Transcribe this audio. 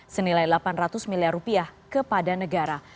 senilai delapan ratus miliar rupiah kepada negara